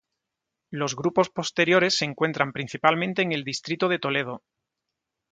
Los grupos posteriores se encuentran principalmente en el distrito de Toledo.